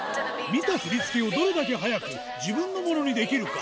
見た振り付けをどれだけ早く自分のものにできるか。